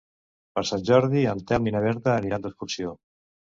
Per Sant Jordi en Telm i na Berta aniran d'excursió.